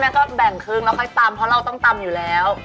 ก็แบ่งครึ่งแล้วค่อยตำเพราะเราต้องตำอยู่แล้ว